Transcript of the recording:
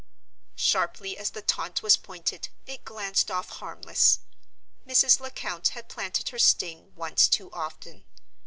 Sharply as the taunt was pointed, it glanced off harmless. Mrs. Lecount had planted her sting once too often.